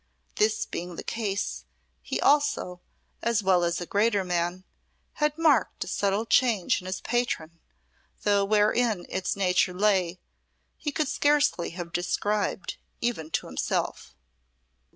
This being the case he also, as well as a greater man, had marked a subtle change in his patron, though wherein its nature lay he could scarcely have described even to himself.